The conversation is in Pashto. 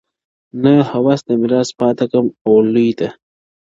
نه هوس د ميراث پاته كم او لوى ته؛